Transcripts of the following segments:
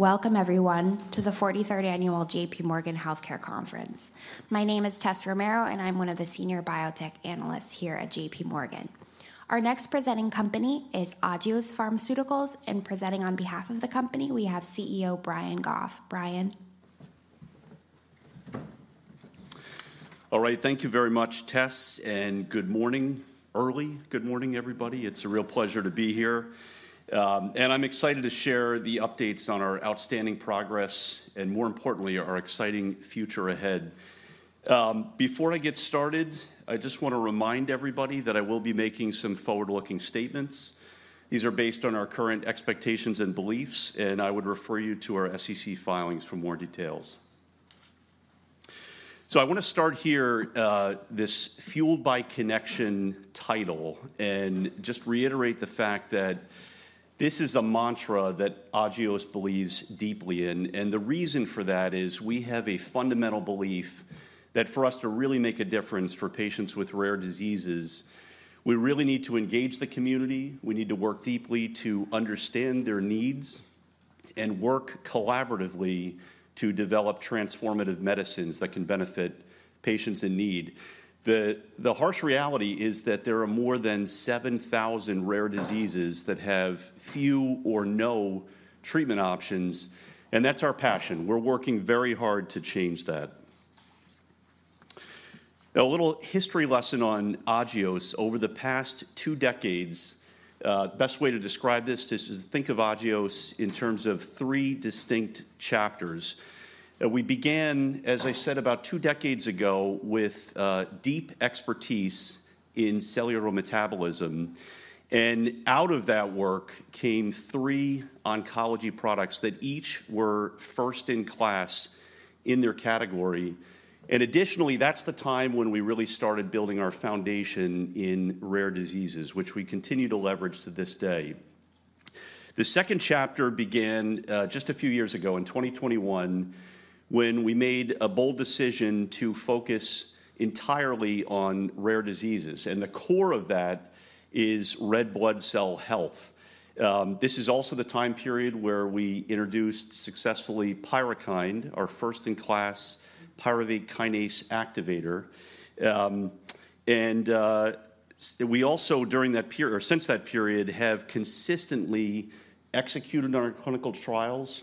Welcome, everyone, to the 43rd Annual J.P. Morgan Healthcare Conference. My name is Tessa Romero, and I'm one of the Senior Biotech Analysts here at J.P. Morgan. Our next presenting company is Agios Pharmaceuticals, and presenting on behalf of the company, we have CEO Brian Goff. Brian. All right, thank you very much, Tess, and good morning, early. Good morning, everybody. It's a real pleasure to be here, and I'm excited to share the updates on our outstanding progress and, more importantly, our exciting future ahead. Before I get started, I just want to remind everybody that I will be making some forward-looking statements. These are based on our current expectations and beliefs, and I would refer you to our SEC filings for more details. So I want to start here this "Fueled by Connection" title and just reiterate the fact that this is a mantra that Agios believes deeply in, and the reason for that is we have a fundamental belief that for us to really make a difference for patients with rare diseases, we really need to engage the community. We need to work deeply to understand their needs and work collaboratively to develop transformative medicines that can benefit patients in need. The harsh reality is that there are more than 7,000 rare diseases that have few or no treatment options, and that's our passion. We're working very hard to change that. A little history lesson on Agios: over the past two decades, the best way to describe this is to think of Agios in terms of three distinct chapters. We began, as I said, about two decades ago with deep expertise in cellular metabolism, and out of that work came three oncology products that each were first in class in their category, and additionally, that's the time when we really started building our foundation in rare diseases, which we continue to leverage to this day. The second chapter began just a few years ago in 2021 when we made a bold decision to focus entirely on rare diseases, and the core of that is red blood cell health. This is also the time period where we introduced successfully PYRUKYND, our first-in-class pyruvate kinase activator. And we also, during that period or since that period, have consistently executed our clinical trials,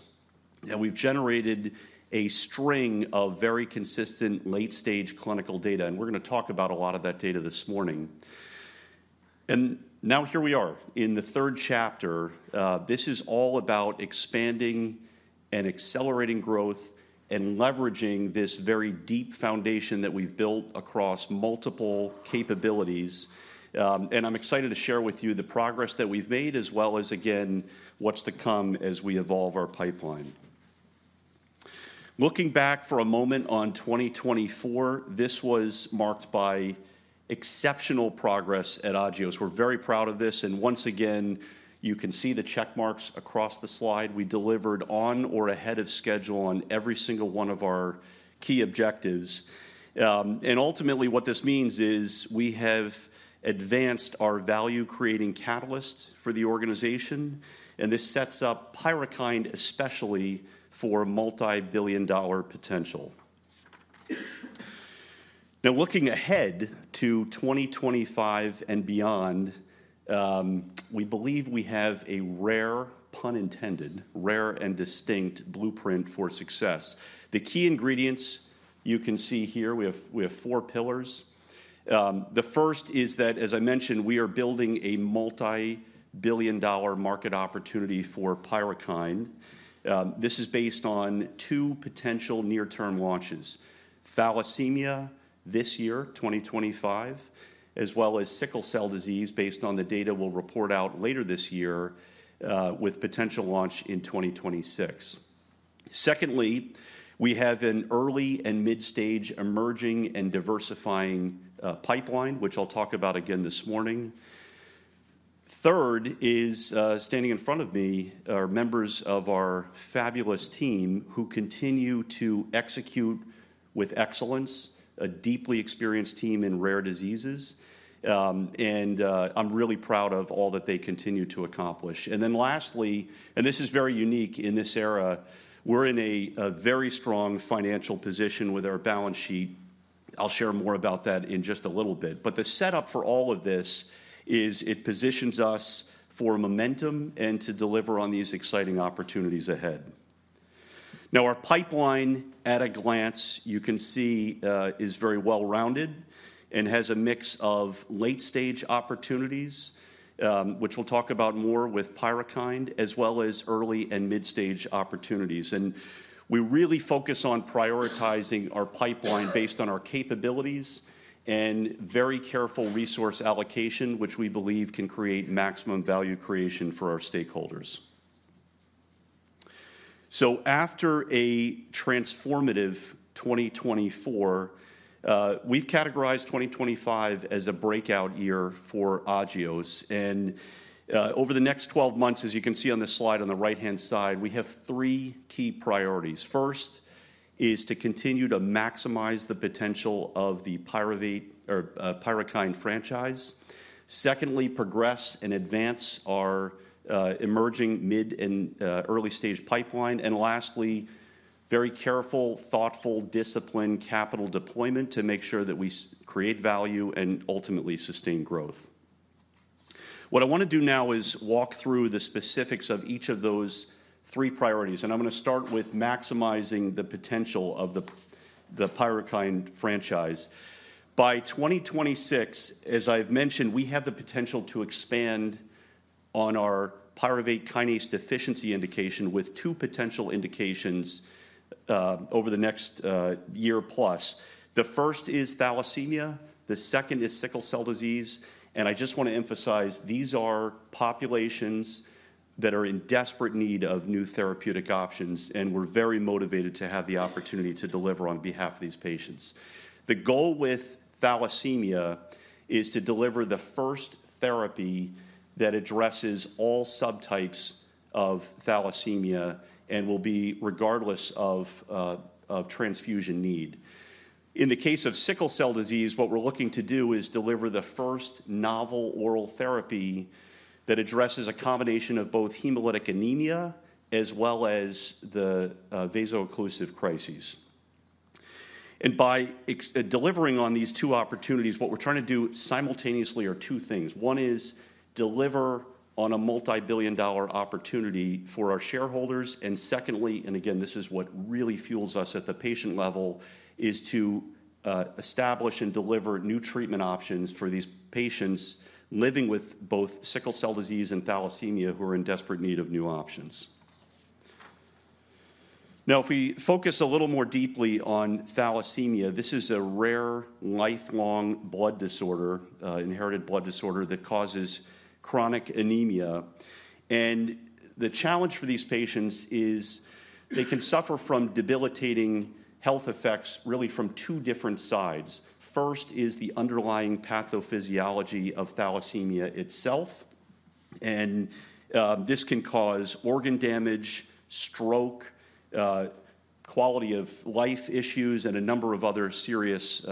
and we've generated a string of very consistent late-stage clinical data. And we're going to talk about a lot of that data this morning. And now here we are in the third chapter. This is all about expanding and accelerating growth and leveraging this very deep foundation that we've built across multiple capabilities. And I'm excited to share with you the progress that we've made, as well as, again, what's to come as we evolve our pipeline. Looking back for a moment on 2024, this was marked by exceptional progress at Agios. We're very proud of this, and once again, you can see the checkmarks across the slide. We delivered on or ahead of schedule on every single one of our key objectives, and ultimately, what this means is we have advanced our value-creating catalyst for the organization, and this sets up PYRUKYND especially for multibillion-dollar potential. Now, looking ahead to 2025 and beyond, we believe we have a rare, pun intended, rare and distinct blueprint for success. The key ingredients you can see here, we have four pillars. The first is that, as I mentioned, we are building a multibillion-dollar market opportunity for PYRUKYND. This is based on two potential near-term launches: thalassemia this year, 2025, as well as sickle cell disease based on the data we'll report out later this year with potential launch in 2026. Secondly, we have an early and mid-stage emerging and diversifying pipeline, which I'll talk about again this morning. Third, standing in front of me are members of our fabulous team who continue to execute with excellence, a deeply experienced team in rare diseases, and I'm really proud of all that they continue to accomplish, and then lastly, and this is very unique in this era, we're in a very strong financial position with our balance sheet. I'll share more about that in just a little bit, but the setup for all of this is, it positions us for momentum and to deliver on these exciting opportunities ahead. Now, our pipeline at a glance you can see is very well-rounded and has a mix of late-stage opportunities, which we'll talk about more with PYRUKYND, as well as early and mid-stage opportunities, and we really focus on prioritizing our pipeline based on our capabilities and very careful resource allocation, which we believe can create maximum value creation for our stakeholders, so after a transformative 2024, we've categorized 2025 as a breakout year for Agios, and over the next 12 months, as you can see on the slide on the right-hand side, we have three key priorities. First is to continue to maximize the potential of the PYRUKYND franchise. Secondly, progress and advance our emerging mid- and early-stage pipeline, and lastly, very careful, thoughtful, disciplined capital deployment to make sure that we create value and ultimately sustain growth. What I want to do now is walk through the specifics of each of those three priorities, and I'm going to start with maximizing the potential of the PYRUKYND franchise. By 2026, as I've mentioned, we have the potential to expand on our pyruvate kinase deficiency indication with two potential indications over the next year plus. The first is thalassemia. The second is sickle cell disease. And I just want to emphasize these are populations that are in desperate need of new therapeutic options, and we're very motivated to have the opportunity to deliver on behalf of these patients. The goal with thalassemia is to deliver the first therapy that addresses all subtypes of thalassemia and will be regardless of transfusion need. In the case of sickle cell disease, what we're looking to do is deliver the first novel oral therapy that addresses a combination of both hemolytic anemia as well as the vaso-occlusive crises. And by delivering on these two opportunities, what we're trying to do simultaneously are two things. One is deliver on a multibillion-dollar opportunity for our shareholders. And secondly, and again, this is what really fuels us at the patient level, is to establish and deliver new treatment options for these patients living with both sickle cell disease and thalassemia who are in desperate need of new options. Now, if we focus a little more deeply on thalassemia, this is a rare lifelong blood disorder, inherited blood disorder that causes chronic anemia. And the challenge for these patients is they can suffer from debilitating health effects really from two different sides. First is the underlying pathophysiology of thalassemia itself, and this can cause organ damage, stroke, quality of life issues, and a number of other serious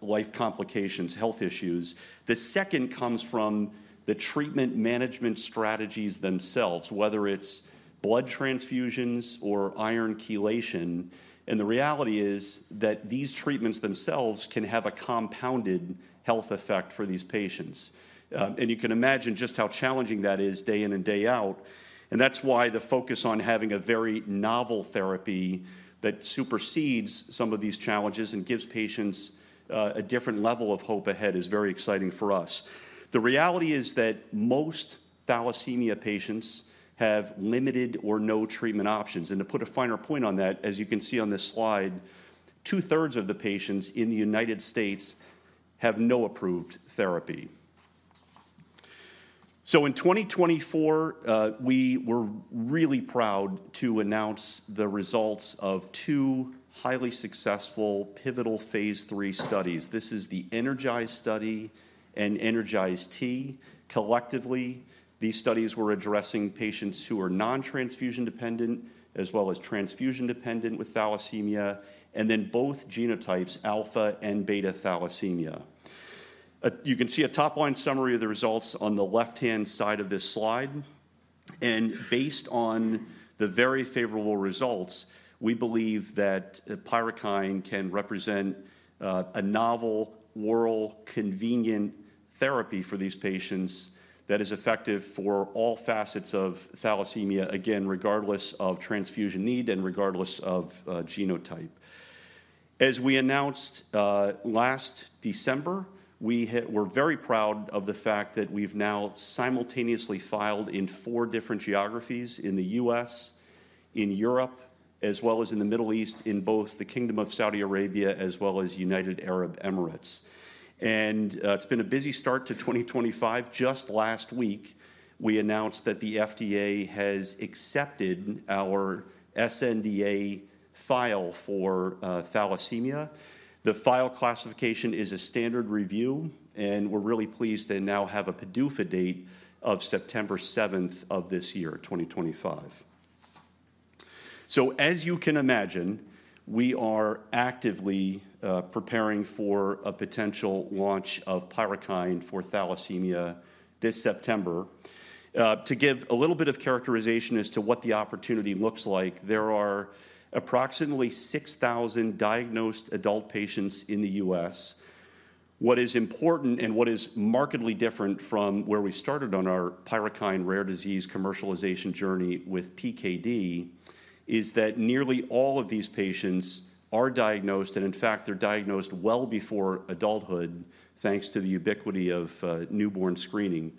life complications, health issues. The second comes from the treatment management strategies themselves, whether it's blood transfusions or iron chelation. And the reality is that these treatments themselves can have a compounded health effect for these patients. And you can imagine just how challenging that is day in and day out. And that's why the focus on having a very novel therapy that supersedes some of these challenges and gives patients a different level of hope ahead is very exciting for us. The reality is that most thalassemia patients have limited or no treatment options. And to put a finer point on that, as you can see on this slide, two-thirds of the patients in the United States have no approved therapy. In 2024, we were really proud to announce the results of two highly successful pivotal phase III studies. This is the ENERGIZE study and ENERGIZE-T. Collectively, these studies were addressing patients who are non-transfusion-dependent as well as transfusion-dependent with thalassemia, and then both genotypes, alpha-thalassemia and beta-thalassemia. You can see a top-line summary of the results on the left-hand side of this slide. Based on the very favorable results, we believe that PYRUKYND can represent a novel, oral, convenient therapy for these patients that is effective for all facets of thalassemia, again, regardless of transfusion need and regardless of genotype. As we announced last December, we were very proud of the fact that we've now simultaneously filed in four different geographies in the U.S., in Europe, as well as in the Middle East, in both the Kingdom of Saudi Arabia as well as the United Arab Emirates, and it's been a busy start to 2025. Just last week, we announced that the FDA has accepted our sNDA file for thalassemia. The file classification is a standard review, and we're really pleased to now have a PDUFA date of September 7th of this year, 2025, so as you can imagine, we are actively preparing for a potential launch of PYRUKYND for thalassemia this September. To give a little bit of characterization as to what the opportunity looks like, there are approximately 6,000 diagnosed adult patients in the U.S. What is important and what is markedly different from where we started on our PYRUKYND rare disease commercialization journey with PKD is that nearly all of these patients are diagnosed, and in fact, they're diagnosed well before adulthood, thanks to the ubiquity of newborn screening.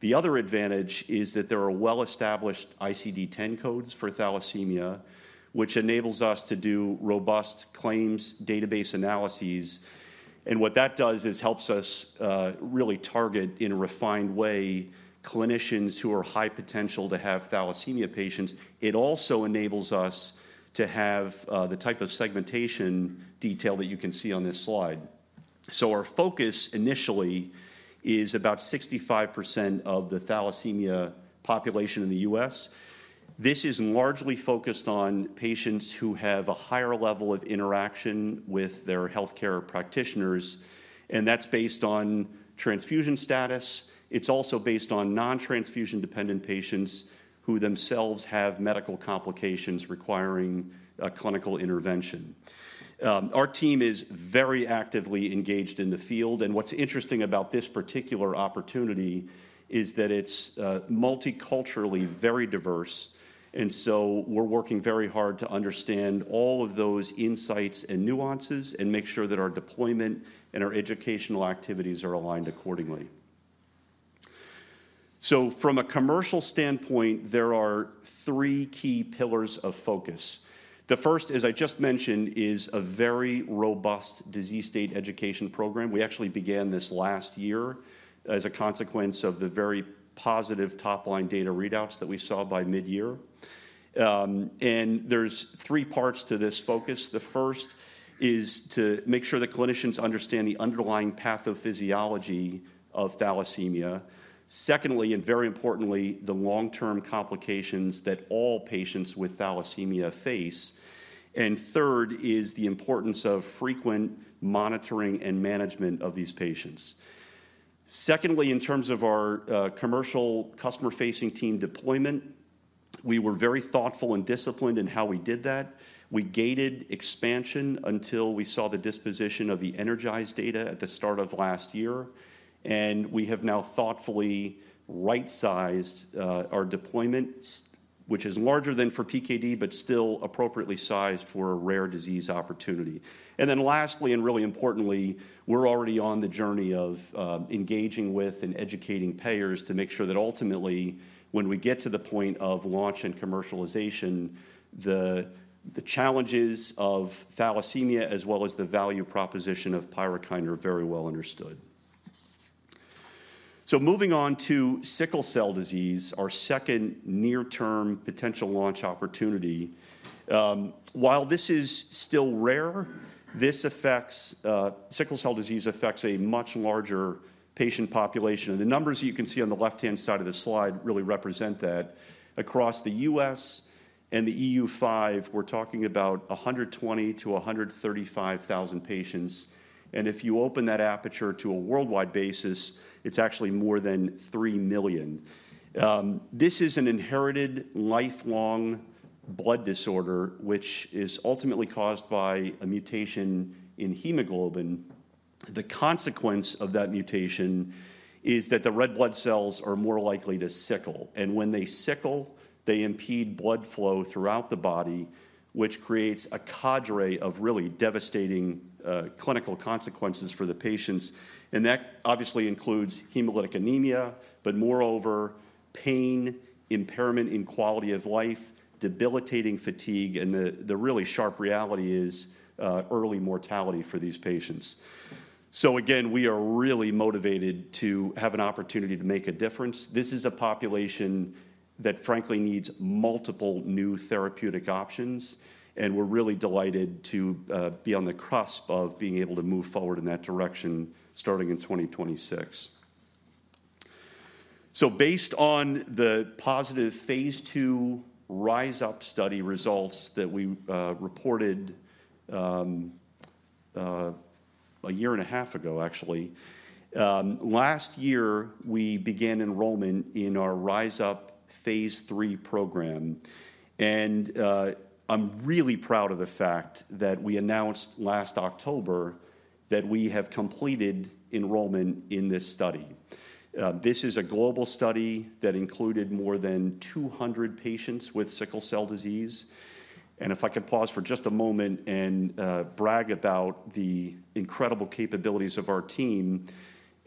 The other advantage is that there are well-established ICD-10 codes for thalassemia, which enables us to do robust claims database analyses, and what that does is helps us really target in a refined way clinicians who are high potential to have thalassemia patients. It also enables us to have the type of segmentation detail that you can see on this slide, so our focus initially is about 65% of the thalassemia population in the U.S. This is largely focused on patients who have a higher level of interaction with their healthcare practitioners, and that's based on transfusion status. It's also based on non-transfusion dependent patients who themselves have medical complications requiring clinical intervention. Our team is very actively engaged in the field, and what's interesting about this particular opportunity is that it's multiculturally, very diverse. And so we're working very hard to understand all of those insights and nuances and make sure that our deployment and our educational activities are aligned accordingly, so from a commercial standpoint, there are three key pillars of focus. The first, as I just mentioned, is a very robust disease state education program. We actually began this last year as a consequence of the very positive top-line data readouts that we saw by mid-year, and there's three parts to this focus. The first is to make sure that clinicians understand the underlying pathophysiology of thalassemia. Secondly, and very importantly, the long-term complications that all patients with thalassemia face. Third is the importance of frequent monitoring and management of these patients. Secondly, in terms of our commercial customer-facing team deployment, we were very thoughtful and disciplined in how we did that. We gated expansion until we saw the disposition of the ENERGIZE data at the start of last year. We have now thoughtfully right-sized our deployment, which is larger than for PKD, but still appropriately sized for a rare disease opportunity. Then lastly, and really importantly, we're already on the journey of engaging with and educating payers to make sure that ultimately, when we get to the point of launch and commercialization, the challenges of thalassemia as well as the value proposition of PYRUKYND are very well understood. Moving on to sickle cell disease, our second near-term potential launch opportunity. While this is still rare, sickle cell disease affects a much larger patient population. The numbers that you can see on the left-hand side of the slide really represent that. Across the U.S. and the EU-5, we're talking about 120,000-135,000 patients. If you open that aperture to a worldwide basis, it's actually more than 3 million. This is an inherited lifelong blood disorder, which is ultimately caused by a mutation in hemoglobin. The consequence of that mutation is that the red blood cells are more likely to sickle. When they sickle, they impede blood flow throughout the body, which creates a cadre of really devastating clinical consequences for the patients. That obviously includes hemolytic anemia, but moreover, pain, impairment in quality of life, debilitating fatigue, and the really sharp reality is early mortality for these patients. Again, we are really motivated to have an opportunity to make a difference. This is a population that, frankly, needs multiple new therapeutic options, and we're really delighted to be on the cusp of being able to move forward in that direction starting in 2026. Based on the positive phase II RISE UP study results that we reported a year and a half ago, actually, last year, we began enrollment in our RISE UP phase III program. I'm really proud of the fact that we announced last October that we have completed enrollment in this study. This is a global study that included more than 200 patients with sickle cell disease. If I could pause for just a moment and brag about the incredible capabilities of our team,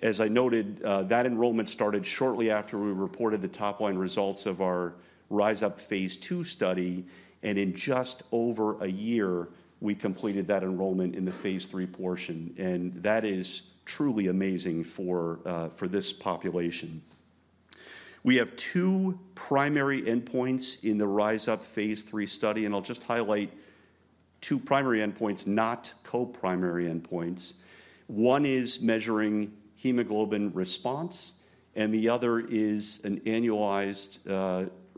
as I noted, that enrollment started shortly after we reported the top-line results of our RISE UP phase II study. And in just over a year, we completed that enrollment in the phase II portion. And that is truly amazing for this population. We have two primary endpoints in the RISE UP phase III study, and I'll just highlight two primary endpoints, not co-primary endpoints. One is measuring hemoglobin response, and the other is an annualized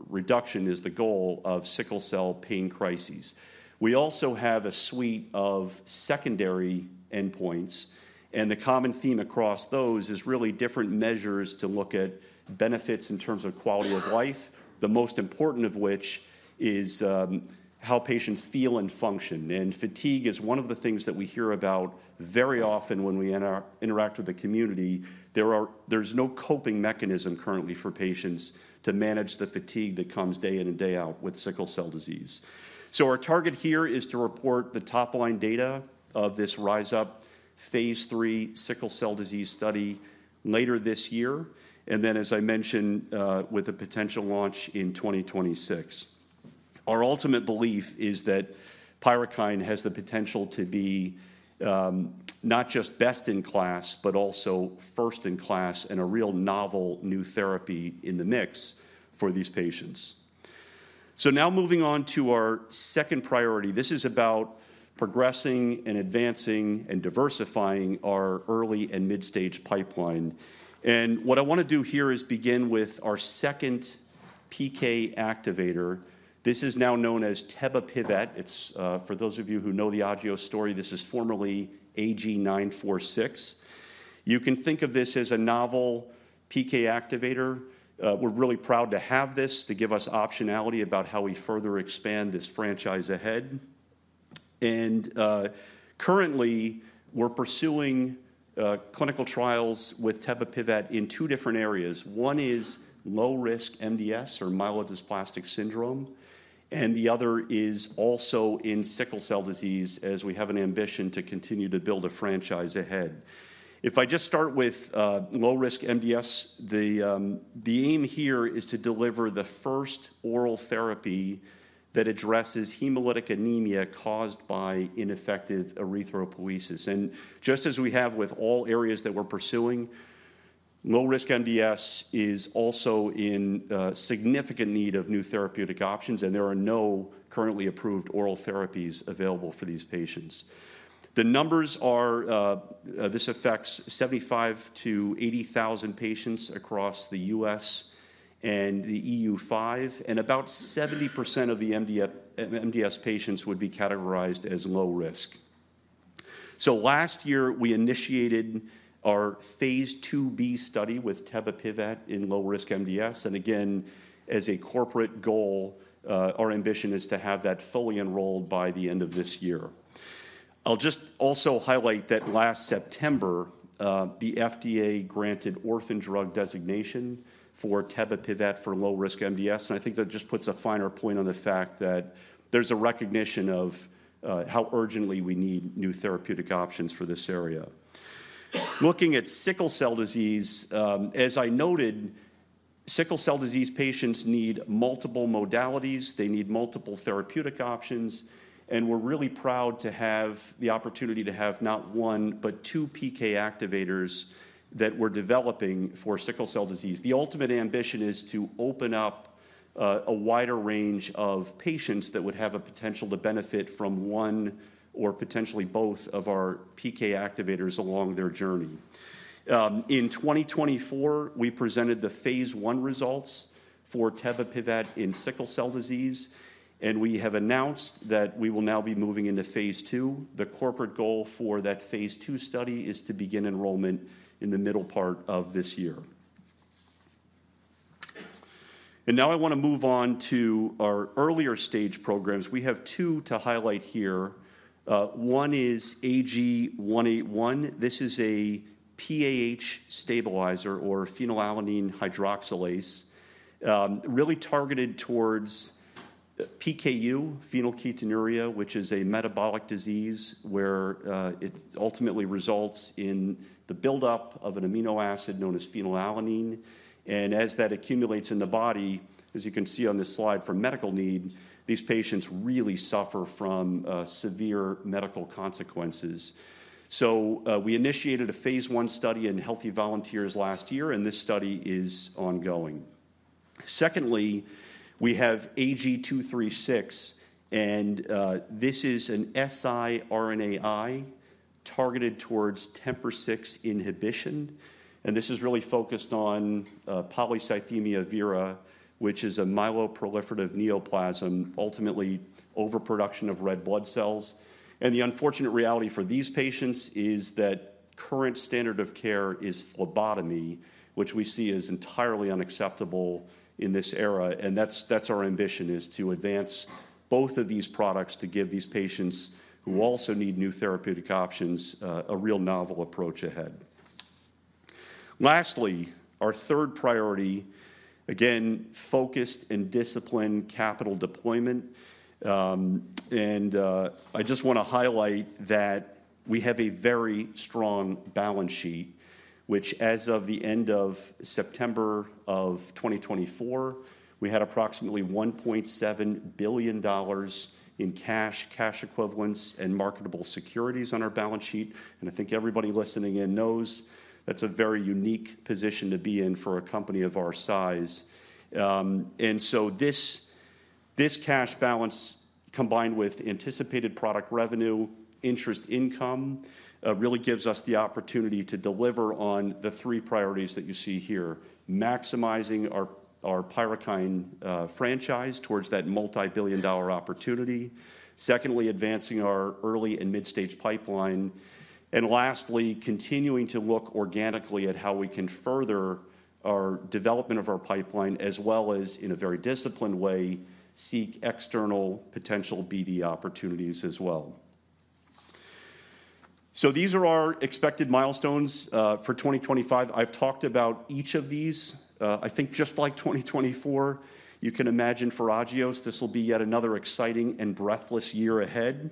reduction is the goal of sickle cell pain crises. We also have a suite of secondary endpoints, and the common theme across those is really different measures to look at benefits in terms of quality of life, the most important of which is how patients feel and function. And fatigue is one of the things that we hear about very often when we interact with the community. There's no coping mechanism currently for patients to manage the fatigue that comes day in and day out with sickle cell disease. Our target here is to report the top-line data of this RISE UP phase III sickle cell disease study later this year, and then, as I mentioned, with a potential launch in 2026. Our ultimate belief is that PYRUKYND has the potential to be not just best in class, but also first in class and a real novel new therapy in the mix for these patients. So now moving on to our second priority, this is about progressing and advancing and diversifying our early and mid-stage pipeline. And what I want to do here is begin with our second PK activator. This is now known as AG-946. It's, for those of you who know the Agios story, this is formerly AG-946. You can think of this as a novel PK activator. We're really proud to have this to give us optionality about how we further expand this franchise ahead. Currently, we're pursuing clinical trials with tebapivat in two different areas. One is low-risk MDS or myelodysplastic syndrome, and the other is also in sickle cell disease as we have an ambition to continue to build a franchise ahead. If I just start with low-risk MDS, the aim here is to deliver the first oral therapy that addresses hemolytic anemia caused by ineffective erythropoiesis. Just as we have with all areas that we're pursuing, low-risk MDS is also in significant need of new therapeutic options, and there are no currently approved oral therapies available for these patients. The numbers are this affects 75,000-80,000 patients across the U.S. and the EU-5, and about 70% of the MDS patients would be categorized as low risk. Last year, we initiated our phase II-B study with tebapivat in low-risk MDS. Again, as a corporate goal, our ambition is to have that fully enrolled by the end of this year. I'll just also highlight that last September, the FDA granted orphan drug designation for tebapivat for low-risk MDS. I think that just puts a finer point on the fact that there's a recognition of how urgently we need new therapeutic options for this area. Looking at sickle cell disease, as I noted, sickle cell disease patients need multiple modalities. They need multiple therapeutic options. We're really proud to have the opportunity to have not one, but two PK activators that we're developing for sickle cell disease. The ultimate ambition is to open up a wider range of patients that would have a potential to benefit from one or potentially both of our PK activators along their journey. In 2024, we presented the phase I results for tebapivat in sickle cell disease, and we have announced that we will now be moving into phase II. The corporate goal for that phase II study is to begin enrollment in the middle part of this year. Now I want to move on to our earlier stage programs. We have two to highlight here. One is AG-181. This is a PAH stabilizer or phenylalanine hydroxylase, really targeted towards PKU, phenylketonuria, which is a metabolic disease where it ultimately results in the buildup of an amino acid known as phenylalanine. As that accumulates in the body, as you can see on this slide from medical need, these patients really suffer from severe medical consequences. We initiated a phase I study in healthy volunteers last year, and this study is ongoing. Secondly, we have AG-236, and this is an siRNA targeted towards TMPRSS6 inhibition. This is really focused on polycythemia vera, which is a myeloproliferative neoplasm, ultimately overproduction of red blood cells. The unfortunate reality for these patients is that current standard of care is phlebotomy, which we see as entirely unacceptable in this era. That's our ambition, is to advance both of these products to give these patients who also need new therapeutic options a real novel approach ahead. Lastly, our third priority, again, focused and disciplined capital deployment. And I just want to highlight that we have a very strong balance sheet, which, as of the end of September of 2024, we had approximately $1.7 billion in cash, cash equivalents, and marketable securities on our balance sheet. And I think everybody listening in knows that's a very unique position to be in for a company of our size. And so this cash balance, combined with anticipated product revenue, interest income, really gives us the opportunity to deliver on the three priorities that you see here: maximizing our PYRUKYND franchise towards that multi-billion-dollar opportunity; secondly, advancing our early and mid-stage pipeline; and lastly, continuing to look organically at how we can further our development of our pipeline, as well as, in a very disciplined way, seek external potential BD opportunities as well. So these are our expected milestones for 2025. I've talked about each of these. I think just like 2024, you can imagine for Agios, this will be yet another exciting and breathless year ahead.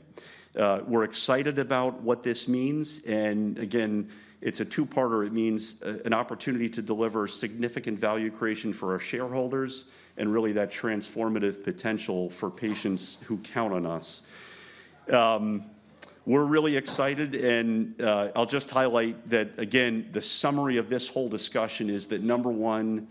We're excited about what this means. And again, it's a two-parter. It means an opportunity to deliver significant value creation for our shareholders and really that transformative potential for patients who count on us. We're really excited. And I'll just highlight that, again, the summary of this whole discussion is that, number one,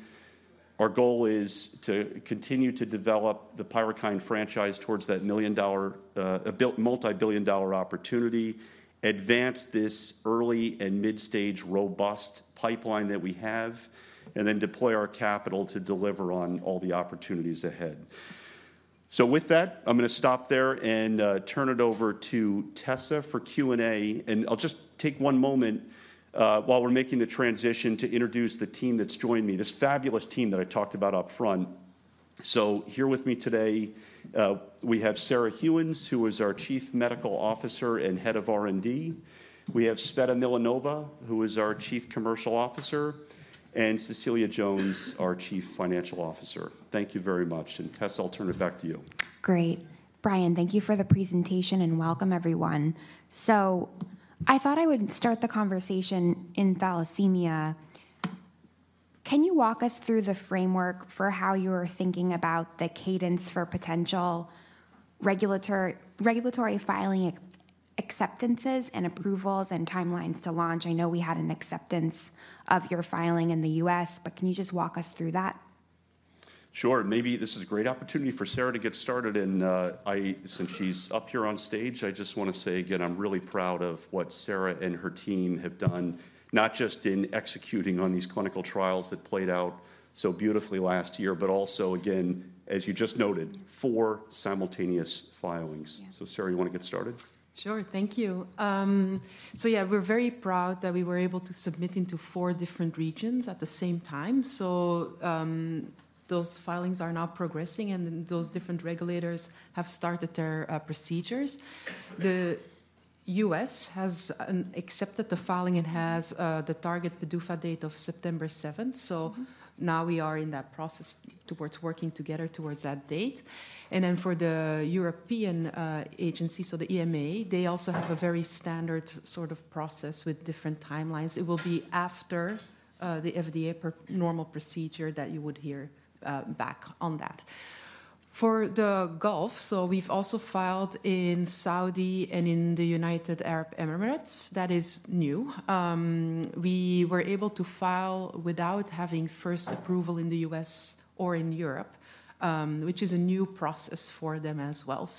our goal is to continue to develop the PYRUKYND franchise towards that multi-billion-dollar opportunity, advance this early and mid-stage robust pipeline that we have, and then deploy our capital to deliver on all the opportunities ahead. So with that, I'm going to stop there and turn it over to Tessa for Q&A. I'll just take one moment while we're making the transition to introduce the team that's joined me, this fabulous team that I talked about up front. So here with me today, we have Sarah Gheuens, who is our Chief Medical Officer and Head of R&D. We have Tsveta Milanova, who is our Chief Commercial Officer, and Cecilia Jones, our Chief Financial Officer. Thank you very much. And Tessa, I'll turn it back to you. Great. Brian, thank you for the presentation and welcome, everyone. So I thought I would start the conversation in thalassemia. Can you walk us through the framework for how you are thinking about the cadence for potential regulatory filing acceptances and approvals and timelines to launch? I know we had an acceptance of your filing in the U.S., but can you just walk us through that? Sure. Maybe this is a great opportunity for Sarah to get started. And since she's up here on stage, I just want to say again, I'm really proud of what Sarah and her team have done, not just in executing on these clinical trials that played out so beautifully last year, but also, again, as you just noted, four simultaneous filings. So Sarah, you want to get started? Sure. Thank you. So yeah, we're very proud that we were able to submit into four different regions at the same time. So those filings are now progressing, and those different regulators have started their procedures. The U.S. has accepted the filing and has the target PDUFA date of September 7th. So now we are in that process towards working together towards that date, and then for the European agency, so the EMA, they also have a very standard sort of process with different timelines. It will be after the FDA normal procedure that you would hear back on that. For the Gulf, so we've also filed in Saudi and in the United Arab Emirates. That is new. We were able to file without having first approval in the U.S. or in Europe, which is a new process for them as well.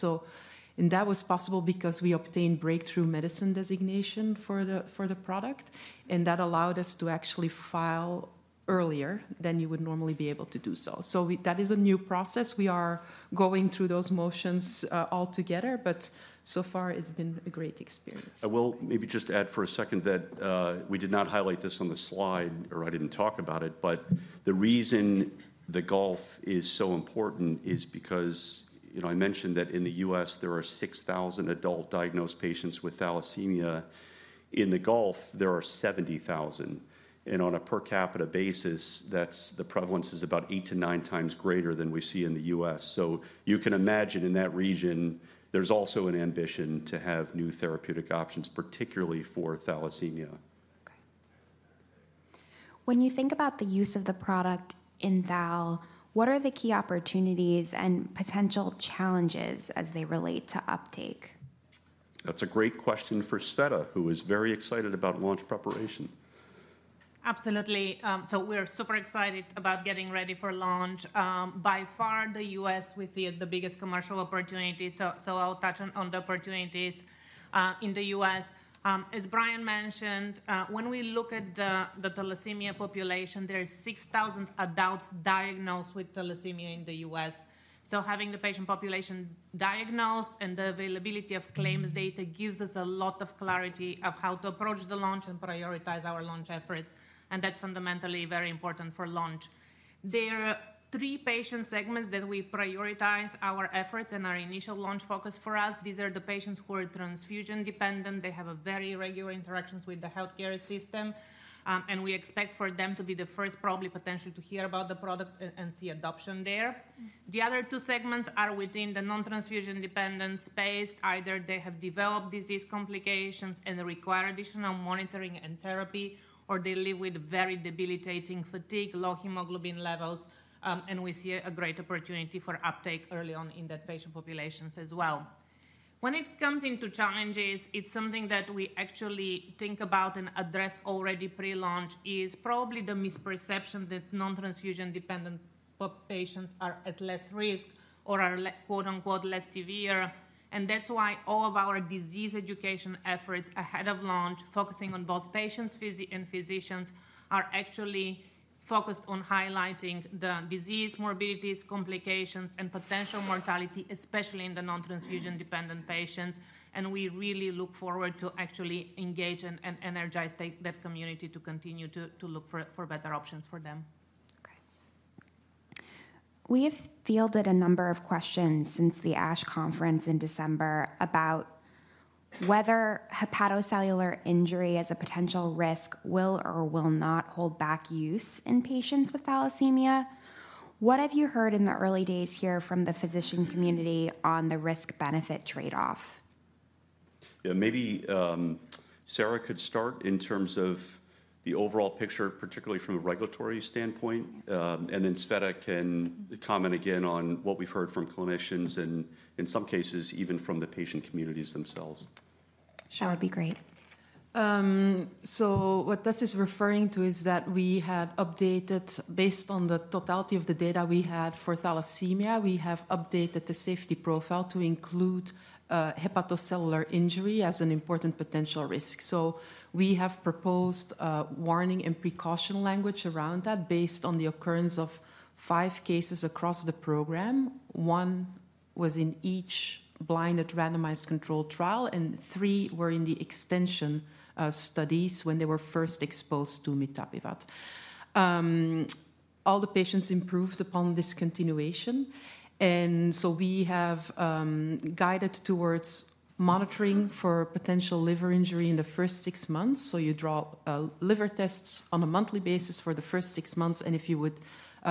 That was possible because we obtained Breakthrough Medicine Designation for the product, and that allowed us to actually file earlier than you would normally be able to do so. So that is a new process. We are going through those motions all together, but so far, it's been a great experience. I will maybe just add for a second that we did not highlight this on the slide, or I didn't talk about it, but the reason the Gulf is so important is because I mentioned that in the U.S., there are 6,000 adult diagnosed patients with thalassemia. In the Gulf, there are 70,000. And on a per capita basis, that's the prevalence is about eight-to-nine times greater than we see in the U.S. You can imagine in that region, there's also an ambition to have new therapeutic options, particularly for thalassemia. Okay. When you think about the use of the product in thal, what are the key opportunities and potential challenges as they relate to uptake? That's a great question for Tsveta, who is very excited about launch preparation. Absolutely. So we're super excited about getting ready for launch. By far, the U.S. we see as the biggest commercial opportunity. So I'll touch on the opportunities in the U.S. As Brian mentioned, when we look at the thalassemia population, there are 6,000 adults diagnosed with thalassemia in the U.S. So having the patient population diagnosed and the availability of claims data gives us a lot of clarity of how to approach the launch and prioritize our launch efforts. And that's fundamentally very important for launch. There are three patient segments that we prioritize our efforts and our initial launch focus for us. These are the patients who are transfusion-dependent. They have very regular interactions with the healthcare system. And we expect for them to be the first, probably potentially to hear about the product and see adoption there. The other two segments are within the non-transfusion-dependent space. Either they have developed disease complications and require additional monitoring and therapy, or they live with very debilitating fatigue, low hemoglobin levels. And we see a great opportunity for uptake early on in that patient population as well. When it comes to challenges, it's something that we actually think about and address already pre-launch is probably the misperception that non-transfusion-dependent patients are at less risk or are "less severe." And that's why all of our disease education efforts ahead of launch, focusing on both patients and physicians, are actually focused on highlighting the disease morbidities, complications, and potential mortality, especially in the non-transfusion-dependent patients. And we really look forward to actually engage and energize that community to continue to look for better options for them. Okay. We have fielded a number of questions since the ASH conference in December about whether hepatocellular injury as a potential risk will or will not hold back use in patients with thalassemia. What have you heard in the early days here from the physician community on the risk-benefit trade-off? Yeah, maybe Sarah could start in terms of the overall picture, particularly from a regulatory standpoint. And then Tsveta can comment again on what we've heard from clinicians and in some cases, even from the patient communities themselves. That would be great. So what this is referring to is that we had updated, based on the totality of the data we had for thalassemia, we have updated the safety profile to include hepatocellular injury as an important potential risk. So we have proposed warning and precaution language around that based on the occurrence of five cases across the program. One was in each blinded randomized control trial, and three were in the extension studies when they were first exposed to mitapivat. All the patients improved upon discontinuation. And so we have guided towards monitoring for potential liver injury in the first six months. So you draw liver tests on a monthly basis for the first six months. And if you would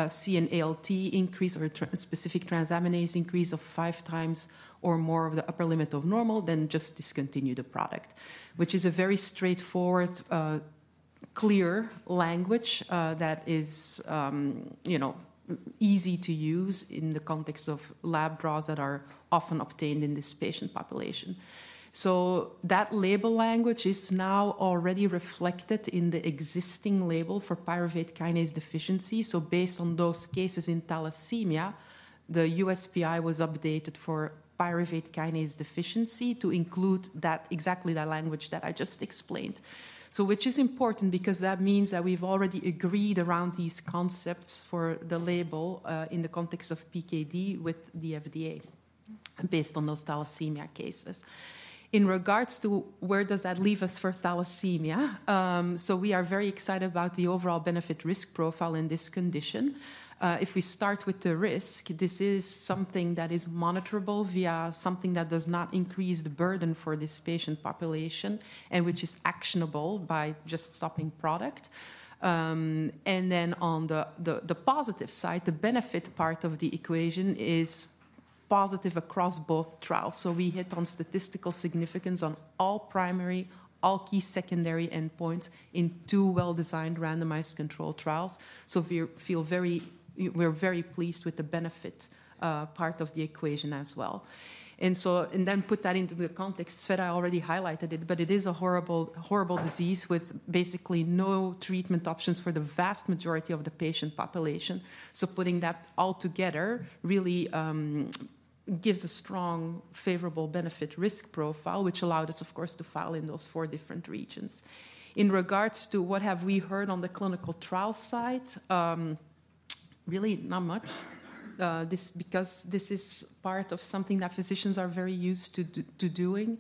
see an ALT increase or a specific transaminase increase of five times or more of the upper limit of normal, then just discontinue the product, which is a very straightforward, clear language that is easy to use in the context of lab draws that are often obtained in this patient population. So that label language is now already reflected in the existing label for pyruvate kinase deficiency. So based on those cases in thalassemia, the USPI was updated for pyruvate kinase deficiency to include exactly that language that I just explained, which is important because that means that we've already agreed around these concepts for the label in the context of PKD with the FDA based on those thalassemia cases. In regards to where does that leave us for thalassemia, so we are very excited about the overall benefit risk profile in this condition. If we start with the risk, this is something that is monitorable via something that does not increase the burden for this patient population and which is actionable by just stopping product. And then on the positive side, the benefit part of the equation is positive across both trials. So we hit on statistical significance on all primary, all key secondary endpoints in two well-designed randomized control trials. So we're very pleased with the benefit part of the equation as well. And then put that into the context, Tsveta already highlighted it, but it is a horrible disease with basically no treatment options for the vast majority of the patient population. So putting that all together really gives a strong favorable benefit risk profile, which allowed us, of course, to file in those four different regions. In regards to what have we heard on the clinical trial side, really not much, because this is part of something that physicians are very used to doing,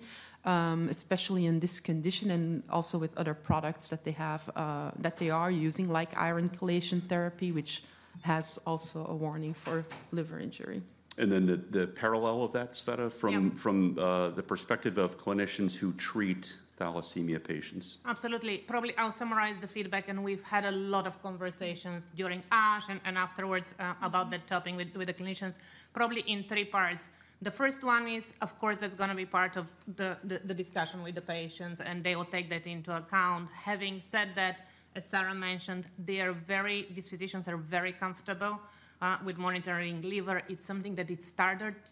especially in this condition and also with other products that they are using, like iron chelation therapy, which has also a warning for liver injury. And then the parallel of that, Tsveta, from the perspective of clinicians who treat thalassemia patients. Absolutely. Probably I'll summarize the feedback. And we've had a lot of conversations during ASH and afterwards about that topic with the clinicians, probably in three parts. The first one is, of course, that's going to be part of the discussion with the patients, and they will take that into account. Having said that, as Sarah mentioned, these physicians are very comfortable with monitoring liver. It's something that is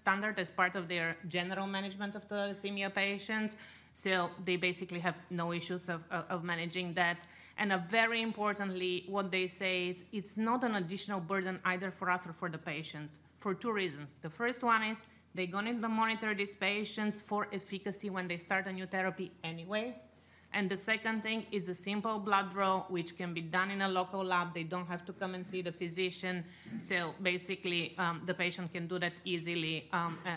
standard as part of their general management of thalassemia patients. So they basically have no issues of managing that. And very importantly, what they say is it's not an additional burden either for us or for the patients for two reasons. The first one is they're going to monitor these patients for efficacy when they start a new therapy anyway. And the second thing is a simple blood draw, which can be done in a local lab. They don't have to come and see the physician, so basically, the patient can do that easily,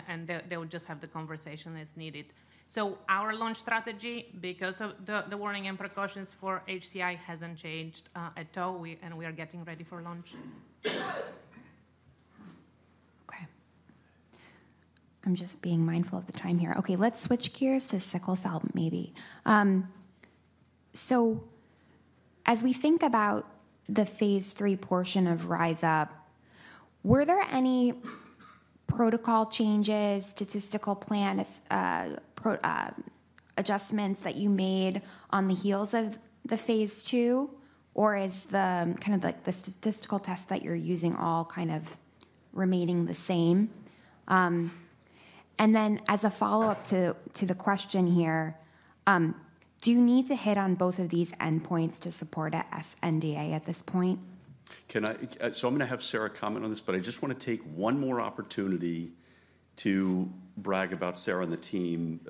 and they will just have the conversation as needed, so our launch strategy, because of the warning and precautions for HCI, hasn't changed at all, and we are getting ready for launch. Okay. I'm just being mindful of the time here. Okay, let's switch gears to sickle cell maybe. So as we think about the phase III portion of RISE UP, were there any protocol changes, statistical plan adjustments that you made on the heels of the phase II, or is kind of the statistical test that you're using all kind of remaining the same? And then as a follow-up to the question here, do you need to hit on both of these endpoints to support an NDA at this point? So I'm going to have Sarah comment on this, but I just want to take one more opportunity to brag about Sarah and the team,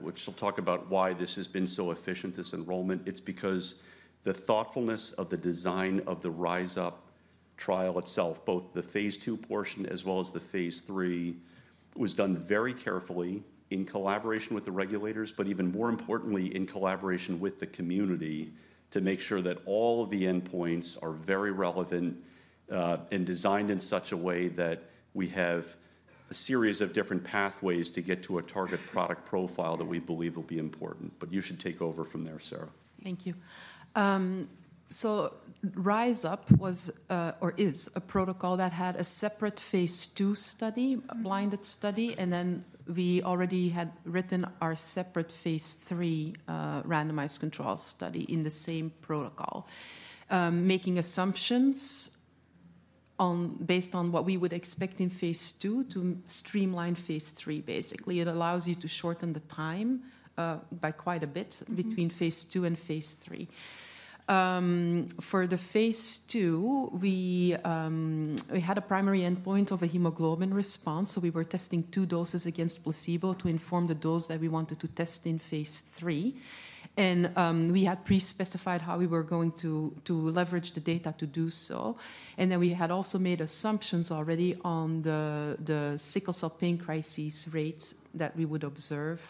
which she'll talk about why this has been so efficient, this enrollment. It's because the thoughtfulness of the design of the RISE UP trial itself, both the phase II portion as well as the phase III, was done very carefully in collaboration with the regulators, but even more importantly, in collaboration with the community to make sure that all of the endpoints are very relevant and designed in such a way that we have a series of different pathways to get to a target product profile that we believe will be important. But you should take over from there, Sarah. Thank you. RISE UP was or is a protocol that had a separate phase II study, a blinded study, and then we already had written our separate phase III randomized control study in the same protocol, making assumptions based on what we would expect in phase II to streamline phase three, basically. It allows you to shorten the time by quite a bit between phase II and phase III. For the phase II, we had a primary endpoint of a hemoglobin response. So we were testing two doses against placebo to inform the dose that we wanted to test in phase III. And we had pre-specified how we were going to leverage the data to do so. Then we had also made assumptions already on the sickle cell pain crises rates that we would observe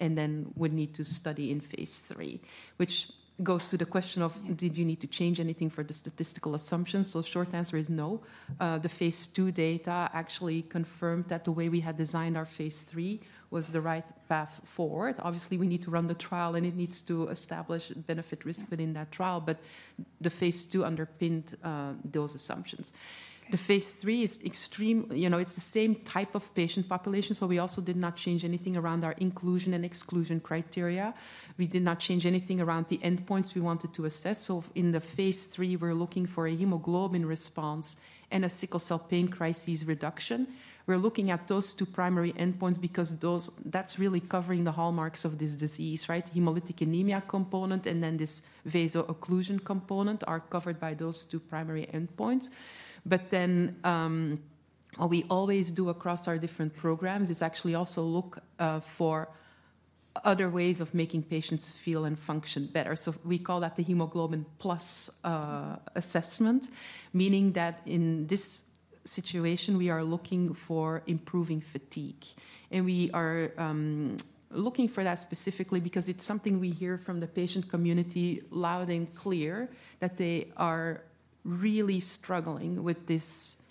and then would need to study in phase III, which goes to the question of, did you need to change anything for the statistical assumptions? The short answer is no. The phase II data actually confirmed that the way we had designed our phase III was the right path forward. Obviously, we need to run the trial, and it needs to establish benefit risk within that trial, but the phase II underpinned those assumptions. The phase III is extremely, it's the same type of patient population. We also did not change anything around our inclusion and exclusion criteria. We did not change anything around the endpoints we wanted to assess. In the phase III, we're looking for a hemoglobin response and a sickle cell pain crises reduction. We're looking at those two primary endpoints because that's really covering the hallmarks of this disease, right? Hemolytic anemia component and then this vaso-occlusion component are covered by those two primary endpoints. But then what we always do across our different programs is actually also look for other ways of making patients feel and function better. So we call that the hemoglobin plus assessment, meaning that in this situation, we are looking for improving fatigue. And we are looking for that specifically because it's something we hear from the patient community loud and clear that they are really struggling with this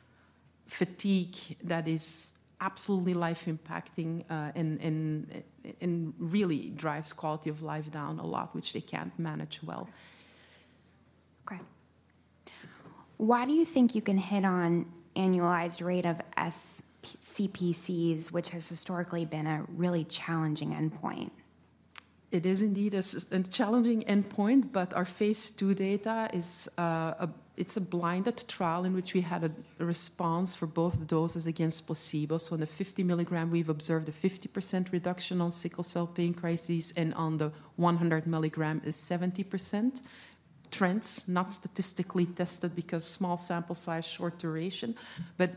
fatigue that is absolutely life-impacting and really drives quality of life down a lot, which they can't manage well. Okay. Why do you think you can hit on annualized rate of SCPCs, which has historically been a really challenging endpoint? It is indeed a challenging endpoint, but our phase II data, it's a blinded trial in which we had a response for both doses against placebo. So on the 50 mg, we've observed a 50% reduction on sickle cell pain crises, and on the 100 mg, a 70% trends, not statistically tested because small sample size, short duration. But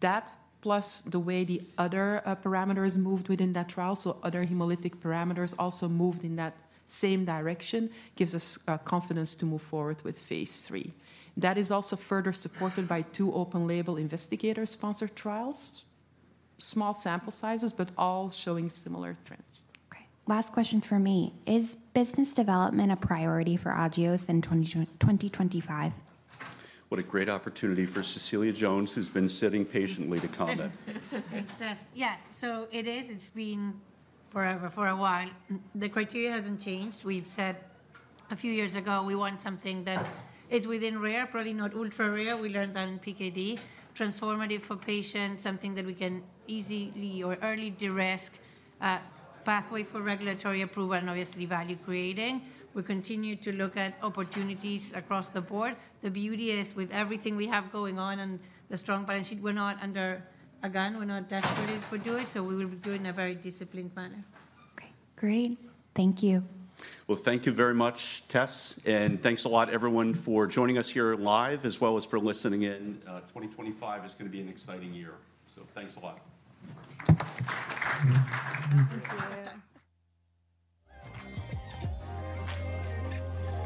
that plus the way the other parameters moved within that trial, so other hemolytic parameters also moved in that same direction, gives us confidence to move forward with phase III. That is also further supported by two open label investigator-sponsored trials, small sample sizes, but all showing similar trends. Okay. Last question for me. Is business development a priority for Agios in 2025? What a great opportunity for Cecilia Jones, who's been sitting patiently to comment. Thanks, Tess. Yes, so it is. It's been for a while. The criteria hasn't changed. We've said a few years ago we want something that is within rare, probably not ultra rare. We learned that in PKD, transformative for patients, something that we can easily or early de-risk, pathway for regulatory approval, and obviously value creating. We continue to look at opportunities across the board. The beauty is with everything we have going on and the strong balance sheet, we're not under a gun. We're not desperate for doing. So we will be doing it in a very disciplined manner. Okay. Great. Thank you. Thank you very much, Tess, and thanks a lot, everyone, for joining us here live, as well as for listening in. 2025 is going to be an exciting year. Thanks a lot.